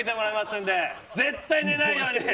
絶対寝ないように。